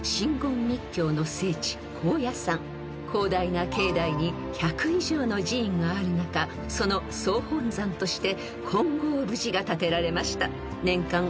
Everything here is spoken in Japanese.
［広大な境内に１００以上の寺院がある中その総本山として金剛峯寺が建てられました］